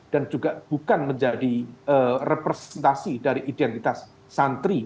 dan juga bukan menjadi representasi dari identitas santri